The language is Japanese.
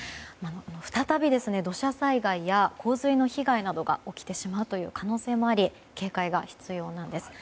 再び土砂災害や洪水の被害などが起きてしまう可能性もあり警戒が必要なんです。